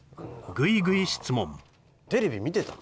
グイグイ質問テレビ見てた？